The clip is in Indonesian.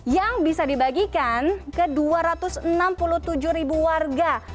yang bisa dibagikan ke dua ratus enam puluh tujuh ribu warga